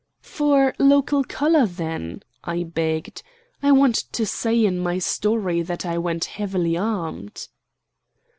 "For local color, then," I begged, "I want to say in my story that I went heavily armed."